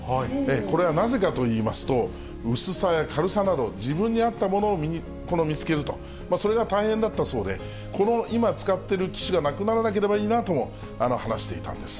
これはなぜかといいますと、薄さや軽さなど、自分に合ったものを見つけると、それが大変だったそうで、この今、使っている機種がなくならなければいいなとも話していたんです。